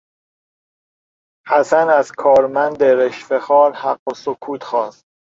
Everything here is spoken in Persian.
حسن از کارمند رشوهخوار حق السکوت خواست.